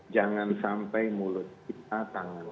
jangan sampai mulut kita tangan